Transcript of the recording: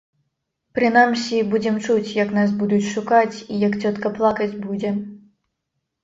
Прынамсі, будзем чуць, як нас будуць шукаць і як цётка плакаць будзе.